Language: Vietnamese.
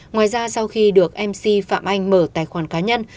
ngoài ra sau khi được mc phạm anh mở tài khoản cá nhân